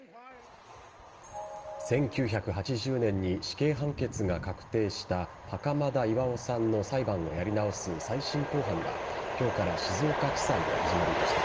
１９８０年に死刑判決が確定した袴田巌さんの裁判をやり直す再審公判が今日から静岡地裁で始まりました。